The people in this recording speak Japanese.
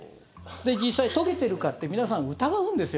実際、研げてるかって皆さん疑うんですよ。